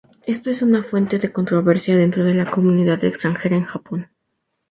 Esto es una fuente de controversia dentro de la comunidad extranjera en Japón.